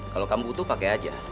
kalau kamu butuh pakai aja